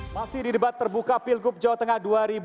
masih di debat terbuka pilgub jawa tengah dua ribu delapan belas